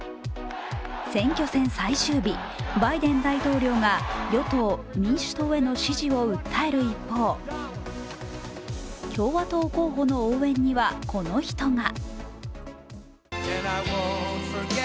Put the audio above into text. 選挙戦最終日、バイデン大統領が与党・民主党への支持を訴える一方共和党候補の応援にはこの人が。